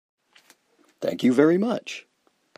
Thank you very much.